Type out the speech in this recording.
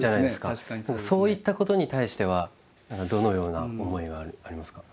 そういったことに対してはどのような思いがありますか？